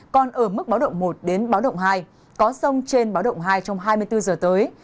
còn ở mức báo động một đến báo động hai có sông trên báo động hai trong hai mươi bốn giờ tới